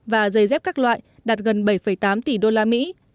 và giày dép các loại đạt gần bảy tám tỷ đô la mỹ